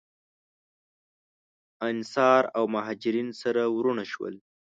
انصار او مهاجرین سره وروڼه شول.